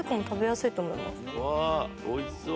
うわ美味しそう。